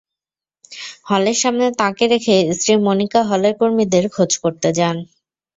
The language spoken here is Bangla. হলের সামনে তাঁকে রেখে স্ত্রী মণিকা হলের কর্মীদের খোঁজ করতে যান।